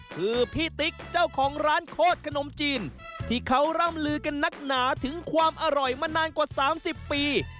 คือพี่ติ๊กเจ้าของร้านโคตรขนมจีนที่เขาร่ำลือกันนักหนาถึงความอร่อยมานานกว่า๓๐ปี